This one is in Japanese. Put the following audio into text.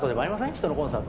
人のコンサート。